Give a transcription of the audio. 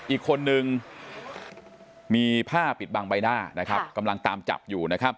อีกคนนึงมีผ้าปิดบังใบหน้ากำลังตามจับอยู่